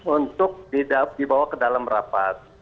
untuk dibawa ke dalam rapat